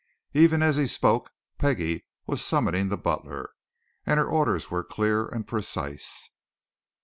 Even as he spoke, Peggie was summoning the butler, and her orders were clear and precise.